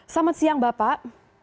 selamat siang bapak